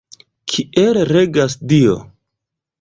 Kiel regas Dio?